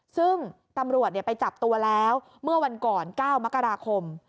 ซึ่งตำรวจไปจับตัวแล้วเมื่อวันก่อน๙มกราคม